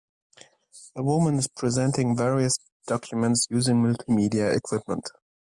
A woman is presenting various documents using multimedia equipment.